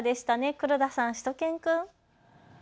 黒田さん、しゅと犬くん。